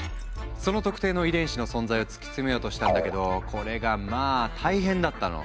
その特定の遺伝子の存在を突き詰めようとしたんだけどこれがまあ大変だったの。